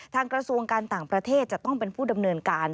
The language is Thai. กระทรวงการต่างประเทศจะต้องเป็นผู้ดำเนินการ